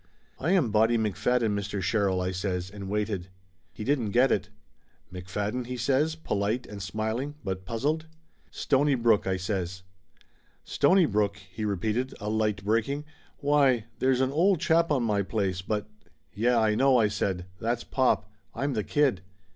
"I am Bonnie McFadden, Mr. Sherrill," I says, and waited. He didn't get it. "McFadden?" he says, polite and smiling, but puzzled. "Stonybrook," I says. "Stonybrook ?" he repeated, a light breaking. "Why, there's an old chap on my place, but " 66 Laughter Limited "Yeh, I know!" I said. "That's pop. I'm the kid."